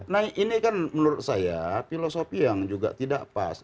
nah ini kan menurut saya filosofi yang juga tidak pas